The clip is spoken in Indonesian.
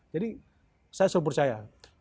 jadi saya selalu percaya